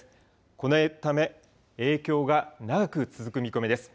このため影響が長く続く見込みです。